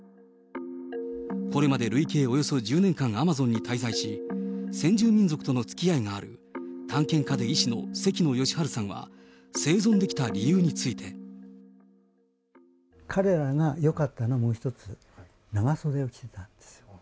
これまで累計およそ１０年間アマゾンに滞在し、先住民族とのつきあいがある探検家で医師の関野吉晴さんは、生存彼らがよかったのは一つ、長袖を着てたんですよ。